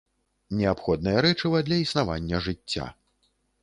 Неабходнае рэчыва для існавання жыцця.